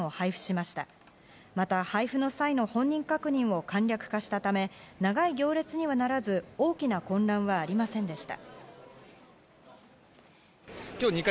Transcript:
また、配布の際の本人確認を簡略化したため長い行列にはならず大きな混乱はありませんでした。